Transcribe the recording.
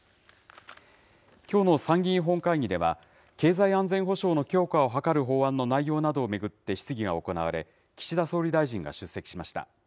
きょうの参議院本会議では、経済安全保障の強化を図る法案の内容などを巡って質疑が行われ、岸田総理大臣が出席しました。